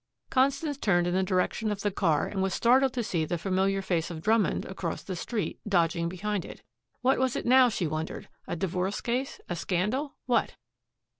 Constance turned in the direction of the car and was startled to see the familiar face of Drummond across the street dodging behind it. What was it now, she wondered a divorce case, a scandal what?